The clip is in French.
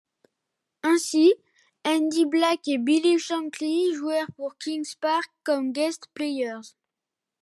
Ainsi, Andy Black et Bill Shankly jouèrent pour King's Park comme guest players.